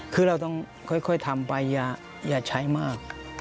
คือเราต้องค่อยทำไปอย่าใช้มาก